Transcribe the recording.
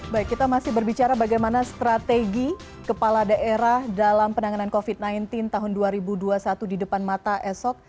baik kita masih berbicara bagaimana strategi kepala daerah dalam penanganan covid sembilan belas tahun dua ribu dua puluh satu di depan mata esok